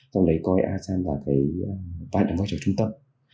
trong đấy coi asean là văn đồng quan trọng trung tâm